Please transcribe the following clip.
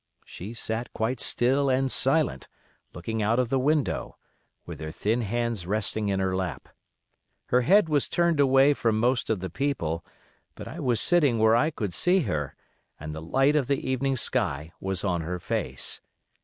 She sat quite still and silent, looking out of the window, with her thin hands resting in her lap. Her head was turned away from most of the people, but I was sitting where I could see her, and the light of the evening sky was on her face.